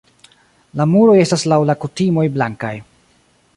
La muroj estas laŭ la kutimoj blankaj.